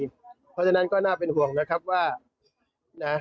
เพราะฉะนั้นก็น่าเป็นห่วงนะครับว่านะ